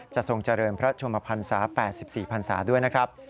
ทรงเจริญพระชมพันศา๘๔พันศาด้วยนะครับ